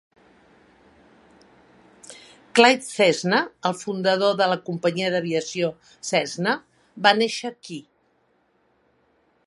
Clyde Cessna, el fundador de la Companya d'Aviació Cessna, va néixer aquí.